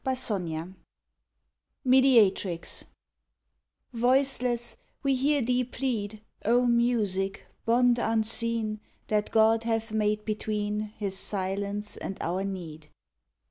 27 MEDIATRIX Voiceless, we hear thee plead, O Music, bond unseen That God hath made between His silence and our need.